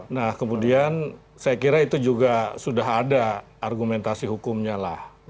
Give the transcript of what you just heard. nah kemudian saya kira itu juga sudah ada argumentasi hukumnya lah